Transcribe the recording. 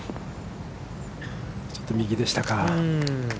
ちょっと右でしたか。